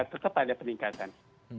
tetap ada peningkatan